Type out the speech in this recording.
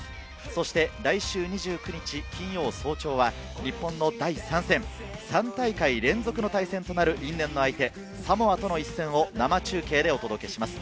そして来週２９日、金曜早朝は日本の第３戦、３大会連続の対戦となる因縁の相手、サモアとの一戦を生中継でお届けします。